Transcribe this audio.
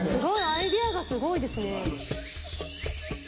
アイデアがすごいですね。